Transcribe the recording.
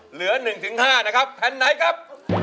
เหลือหนึ่งถึงห้านะครับแผ่นไหนครับ